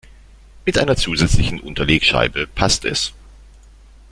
Mit einer zusätzlichen Unterlegscheibe passt es.